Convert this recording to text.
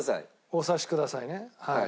「お察しください」ねはい。